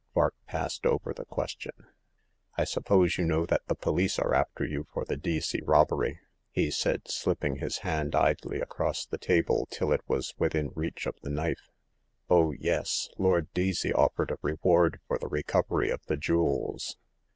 Vark passed over the question. " I suppose you know that the police are after you for the Deacey robbery ?" he said, slipping his hand idly across the table till it was within reach of the knife. " Oh, yes ; Lord Deacey offered a reward for the recovery of the jewels.